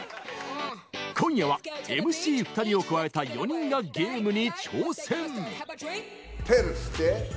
今夜は、ＭＣ２人を加えた４人がゲームに挑戦！